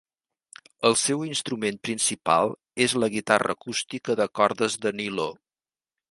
El seu instrument principal és la guitarra acústica de cordes de niló.